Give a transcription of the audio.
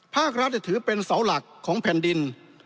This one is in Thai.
ภาครัฐจะถือเป็นเสาหลักของแผ่นดิน